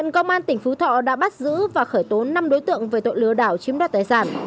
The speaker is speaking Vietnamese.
công an tỉnh phú thọ đã bắt giữ và khởi tố năm đối tượng về tội lừa đảo chiếm đoạt tài sản